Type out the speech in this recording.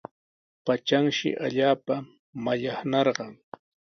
Patranshi allaapa mallaqnarqan.